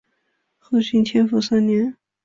后晋天福三年。